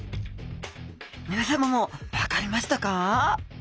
皆さまも分かりましたか？